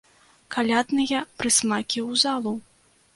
Калядныя прысмакі ў залу!